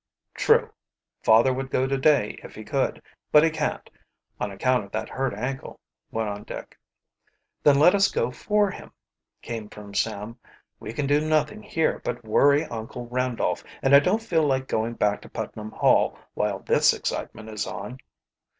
"True. Father would go to day if he could, but he can't, on account of that hurt ankle," went on Dick. "Then let us go for him," came from Sam. "We can do nothing here but worry Uncle Randolph, and I don't feel like going back to Putnam Hall while this excitement is on."